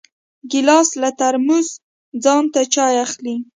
ګیلاس له ترموزه ځان ته چای اخلي.